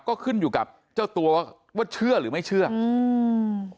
ก็ขึ้นอยู่กับเจ้าตัวว่าเชื่อหรือไม่เชื่ออืม